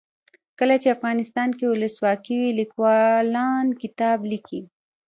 کله چې افغانستان کې ولسواکي وي لیکوالان کتاب لیکي.